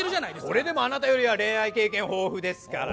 それでもあなたよりは恋愛経験豊富ですから。